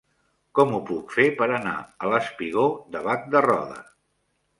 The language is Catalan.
Com ho puc fer per anar al espigó de Bac de Roda?